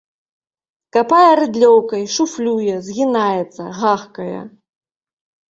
Капае рыдлёўкай, шуфлюе, згінаецца, гахкае.